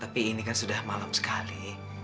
tapi ini kan sudah malam sekali